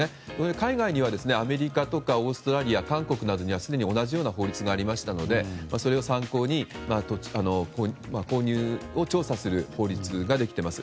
海外にはアメリカとかオーストラリア、韓国などにはすでに同じような法律がありましたので、それを参考に購入を調査する法律ができています。